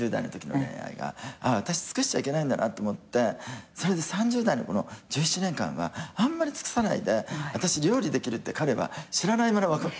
私尽くしちゃいけないんだなと思ってそれで３０代のこの１７年間はあんまり尽くさないで私料理できるって彼は知らないまま別れちゃったの。